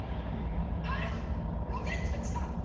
あっロケットちゃん。